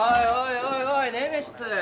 おいおいネメシス！